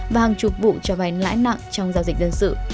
và hàng chục vụ cho vay lãi nặng trong giao dịch dân sự